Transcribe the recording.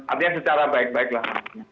artinya secara baik baiklah